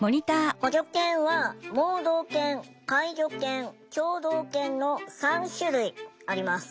補助犬は盲導犬介助犬聴導犬の３種類あります。